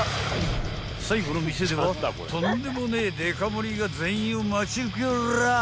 ［最後の店ではとんでもねえデカ盛りが全員を待ち受けらぁ］